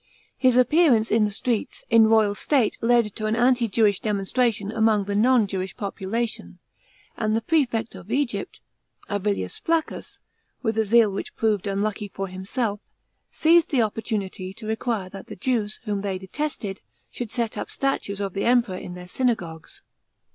His appearance in the streets in royal state led to an anti Jewish demonstration among the non Jewish population; and the prefect of Egypt Avillius Flaccus, with a zeal which proved unlucky for himself, seized the opportunity to re mire that the Jews, whom they detested, should set up statues of the Emperor in their synagogues.